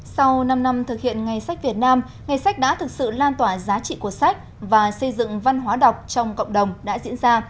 sau năm năm thực hiện ngày sách việt nam ngày sách đã thực sự lan tỏa giá trị của sách và xây dựng văn hóa đọc trong cộng đồng đã diễn ra